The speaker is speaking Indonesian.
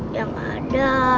ya enggak ada